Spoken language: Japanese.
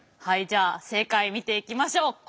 はいじゃあ正解見ていきましょう。